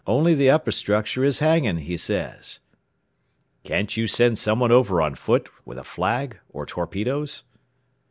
Only the upper structure is hanging," he says. "Can't you send someone over on foot, with a flag, or torpedoes?"